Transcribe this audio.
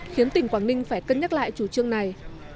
khiến tỉnh quảng ninh phải cân nhắc lại chủ trương này